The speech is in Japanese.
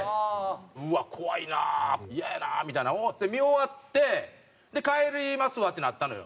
うわっ怖いな嫌やなみたいな思って見終わってで帰りますわってなったのよ。